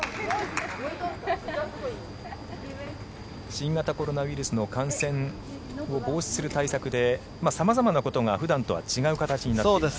新型コロナウイルスの感染を防止する対策で様々なことが普段とは違う形になっています。